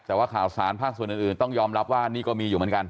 แต่ว่าข่าวสารภาคส่วนอื่นต้องยอมรับว่านี่ก็มีอยู่เหมือนกัน